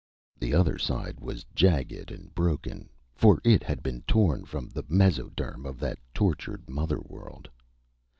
The other side was jagged and broken, for it had been torn from the mesoderm of that tortured mother world.